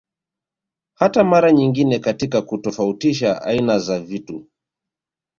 Hata mara nyingine katika kutofautisha aina za vitu